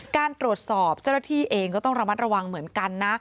การตรวจสอบเจ้าหน้าที่เองก็ต้องระมัดระวังเหมือนกันนะ